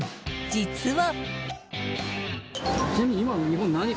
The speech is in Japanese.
実は。